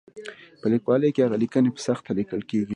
په لیکوالۍ کې هغه لیکنې په سخته لیکل کېږي.